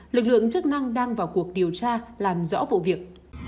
lực lượng chức năng đang vào cuộc điều tra làm rõ vụ việc